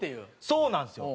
そうなんですよ。